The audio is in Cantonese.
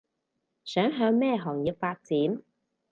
想向咩行業發展